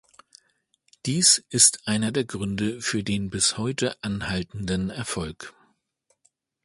Dies ist einer der Gründe für den bis heute anhaltenden Erfolg.